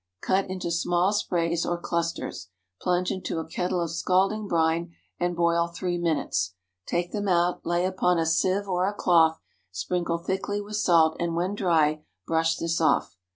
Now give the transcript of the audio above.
Cut into small sprays or clusters. Plunge into a kettle of scalding brine and boil three minutes. Take them out, lay upon a sieve or a cloth, sprinkle thickly with salt, and, when dry, brush this off.